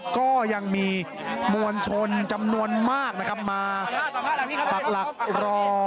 ก็ยังมีมวลชนจำนวนมากมาปรักหลักรอ